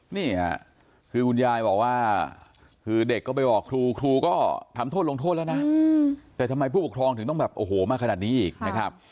เนี่ยคืบุญยาวว่าขึ้นเด็กเขาไปบอกครูก็ทำโทษลงโทษแล้วนะแต่ทำไมผู้ปกครองถึงต้องแบบโอ้โหมากขนาดนี้นะค่ะ